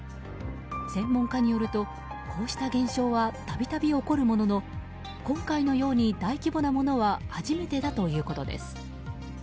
専門家によるとこうした現象は度々起こるものの今回のように大規模なものは初めてだということです。